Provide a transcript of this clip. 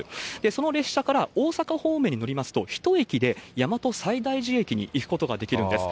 その列車から、大阪方面に乗りますと、１駅で大和西大寺駅に行くことができるんです。